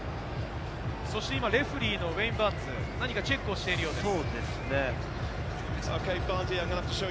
レフェリーのウェイン・バーンズ、何かチェックしているようです。